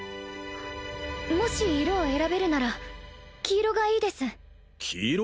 もし色を選べるなら黄色がいいです黄色？